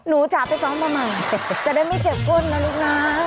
หนูจาไปสองประมาณจะได้ไม่เจ็บก้นนะลูกน้อย